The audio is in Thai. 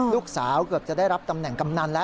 เกือบจะได้รับตำแหน่งกำนันแล้ว